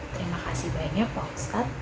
terima kasih banyak pak ustadz